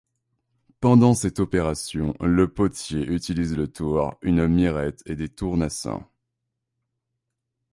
Pendant cette opération, le potier utilise le tour, une mirette et des tournassins.